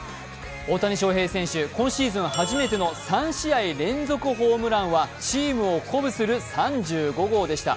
大谷翔平選手、今シーズン初めての３試合連続ホームランはチームを鼓舞する３５号でした。